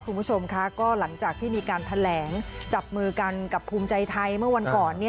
คุณผู้ชมค่ะก็หลังจากที่มีการแถลงจับมือกันกับภูมิใจไทยเมื่อวันก่อน